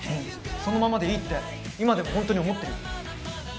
そのままでいいって今でも本当に思ってる。